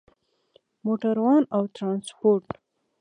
موټروان او ترانسپورت